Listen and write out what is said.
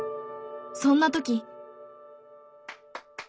そんな時。